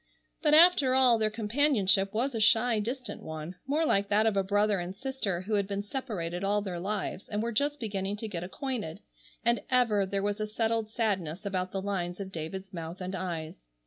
But after all their companionship was a shy, distant one, more like that of a brother and sister who had been separated all their lives and were just beginning to get acquainted, and ever there was a settled sadness about the lines of David's mouth and eyes.